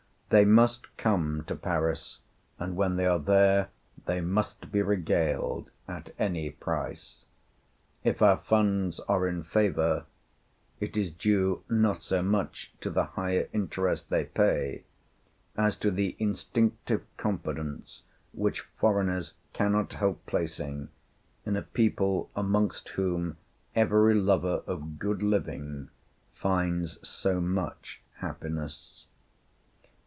They must come to Paris, and when they are there, they must be regaled at any price. If our funds are in favor, it is due not so much to the higher interest they pay, as to the instinctive confidence which foreigners cannot help placing in a people amongst whom every lover of good living finds so much happiness.